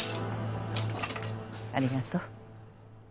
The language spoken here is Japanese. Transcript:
ありがとう。